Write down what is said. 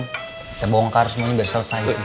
kita bongkar semuanya biar selesai